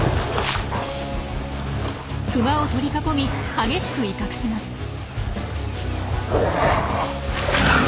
クマを取り囲み激しく威嚇します。